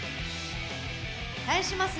対します